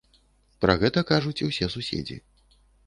Пра гэта кажуць усе суседзі.